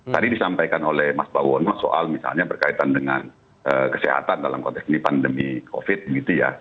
tadi disampaikan oleh mas bawono soal misalnya berkaitan dengan kesehatan dalam konteks ini pandemi covid begitu ya